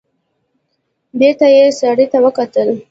بېرته يې سړي ته وکتل.